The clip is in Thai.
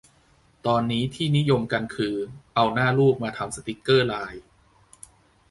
ตอนนี้ที่นิยมกันคือเอาหน้าลูกมาทำสติกเกอร์ไลน์